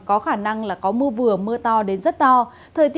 có khả năng là có mưa vừa mưa to đến rất to